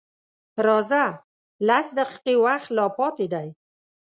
_راځه! لس دقيقې وخت لا پاتې دی.